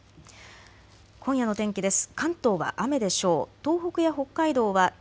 今夜の天気です。